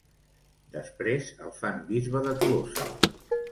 Després el fan bisbe de Tolosa.